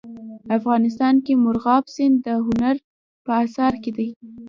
افغانستان کې مورغاب سیند د هنر په اثار کې دی.